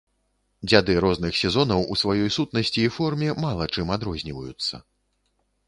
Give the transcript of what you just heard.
Дзяды розных сезонаў у сваёй сутнасці і форме мала чым адрозніваюцца.